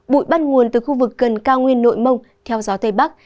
bụi bắt nguồn từ khu vực gần cao nguyên nội mông theo gió tây bắc